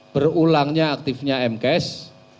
berulangnya aktifnya m cash